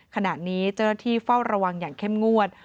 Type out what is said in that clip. ขณะนี้เจ้าหน้าที่เฝ้าระวังอย่างเข้มงวด